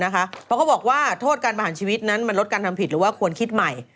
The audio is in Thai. เพราะเขาบอกว่าโทษการประหารชีวิตนั้นมันลดการทำผิดหรือว่าควรคิดใหม่